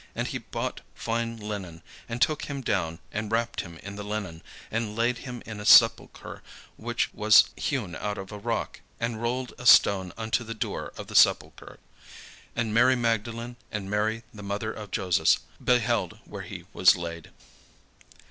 And he bought fine linen, and took him down, and wrapped him in the linen, and laid him in a sepulchre which was hewn out of a rock, and rolled a stone unto the door of the sepulchre. And Mary Magdalene and Mary the mother of Joses beheld where he was laid.